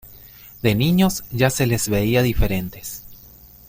De niños ya se les veía diferentes.